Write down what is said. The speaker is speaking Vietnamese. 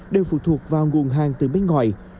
đều phụ thuộc vào nguồn hàng từ bên ngoài